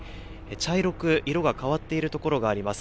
茶色く色が変わっている所があります。